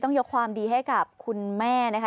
ยกความดีให้กับคุณแม่นะคะ